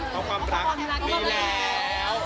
เพราะความรักมีแล้ว